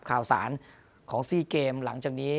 ข่าวสารของ๔เกมหลังจากนี้